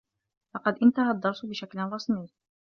لقد انتهى الدّرس بشكل رسمي.